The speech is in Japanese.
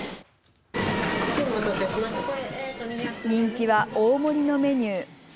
人気は大盛りのメニュー。